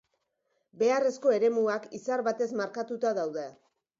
Beharrezko eremuak izar batez markatuta daude.